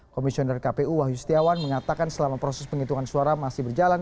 komisioner kpu wahyu setiawan mengatakan selama proses penghitungan suara masih berjalan